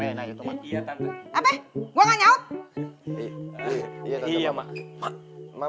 pokoknya kalau lo pada manggil gue tante lagi gue nggak bakal nyaut